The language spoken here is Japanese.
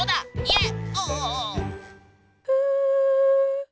えっ？